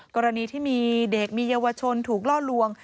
กรณีที่มีเด็กมีเยาวชนถูกล่อลวง